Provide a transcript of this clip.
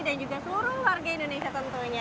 dan juga seluruh warga indonesia tentunya